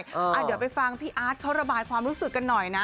เดี๋ยวไปฟังพี่อาร์ตเขาระบายความรู้สึกกันหน่อยนะ